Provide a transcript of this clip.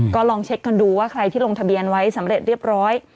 ก็ลองเช็คกันดูว่าใครที่ลงทะเบียนไว้สำเร็จเรียบร้อย